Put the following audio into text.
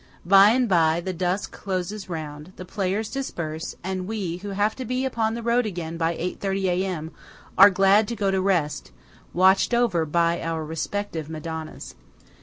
By and by the dusk closes round; the players disperse; and we, who have to be upon the road again by 8.30 A.M., are glad to go to rest, watched over by our respective Madonnas.